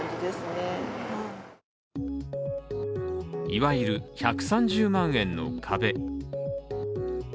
いわゆる１３０万円の壁。